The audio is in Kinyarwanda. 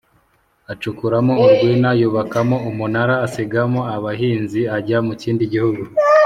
acukuramo urwina, yubakamo umunara, asigamo abahinzi ajya mu kindi gihugu